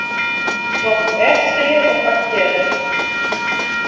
Docht it echt sear of aktearrest?